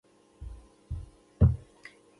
د هندواڼې دانه د پښتورګو لپاره وکاروئ